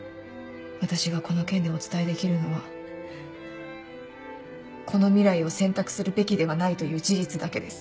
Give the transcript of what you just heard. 私がこの件でお伝えできるのはこの未来を選択するべきではないという事実だけです。